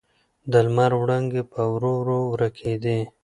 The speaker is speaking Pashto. د لمر وړانګې په ورو ورو ورکېدې.